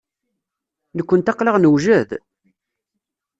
Nekkenti aql-aɣ newjed?